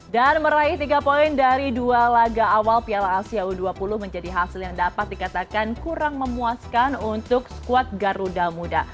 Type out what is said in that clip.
dan meraih tiga poin dari dua laga awal piala asia u dua puluh menjadi hasil yang dapat dikatakan kurang memuaskan untuk squad garuda muda